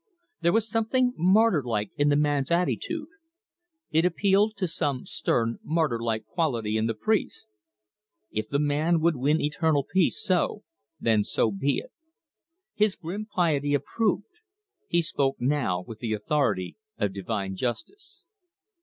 There was something martyr like in the man's attitude. It appealed to some stern, martyr like quality in the priest. If the man would win eternal peace so, then so be it. His grim piety approved. He spoke now with the authority of divine justice.